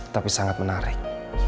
tapi sangat menarik